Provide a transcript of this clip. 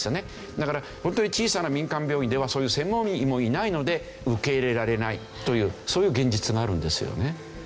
だから本当に小さな民間病院ではそういう専門医もいないので受け入れられないというそういう現実があるんですよね。